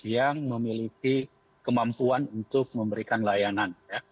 yang memiliki kemampuan untuk memberikan layanan